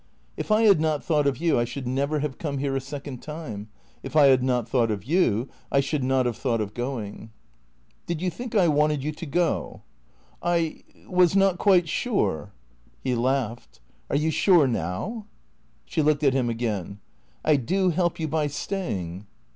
" If I had not thought of you I should never have come here a second time. If I had not thought of you I should not have thought of going." " Did you thinly I wanted you to go ?" "I — was not quite sure." He laughed. " Are you sure now ?" She looked at him again. " I do help you by staying